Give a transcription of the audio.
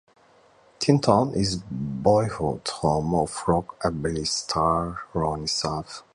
Tin Town is the boyhood home of Rock-A-Billy star Ronnie Self.